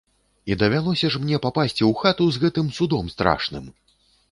І давялося ж мне папасці ў хату з гэтым судом страшным!